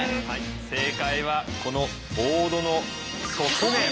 正解はこのボードの側面。